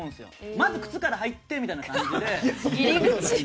まず靴から入ってみたいな感じで。